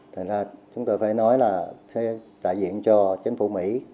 thành ra chúng tôi phải nói là phải tạ diện cho chính phủ mỹ